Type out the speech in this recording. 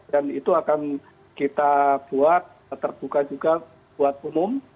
dan itu akan kita buat terbuka juga buat umum